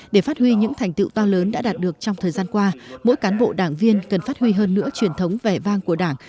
để phát huy những thành tựu to lớn đã đạt được trong thời gian qua mỗi cán bộ đảng viên cần phát huy hơn nữa truyền thống vẻ vang của đảng